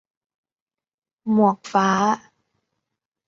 - หมวกฟ้า